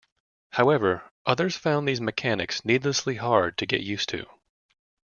However, others found these mechanics needlessly hard to get used to.